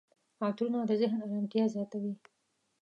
عطرونه د ذهن آرامتیا زیاتوي.